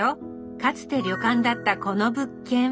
かつて旅館だったこの物件。